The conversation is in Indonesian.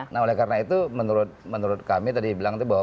nah oleh karena itu menurut kami tadi bilang itu bahwa